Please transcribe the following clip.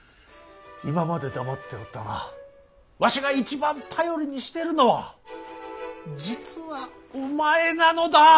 今まで黙っておったがわしが一番頼りにしてるのは実はお前なのだ。